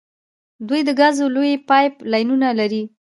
دوی د ګازو لویې پایپ لاینونه لري.